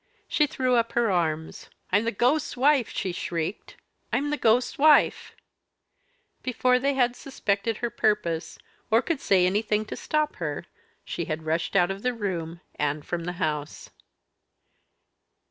She threw up her arms. "I'm the ghost's wife!" she shrieked, "I'm the ghost's wife!" Before they had suspected her purpose, or could say anything to stop her, she had rushed out of the room and from the house.